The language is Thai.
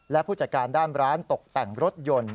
และผู้จัดการด้านร้านตกแต่งรถยนต์